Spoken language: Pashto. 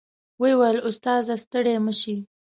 وې ویل استاد ه ستړی مه شې.